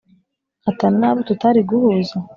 nkatana n'abo tutari guhuza?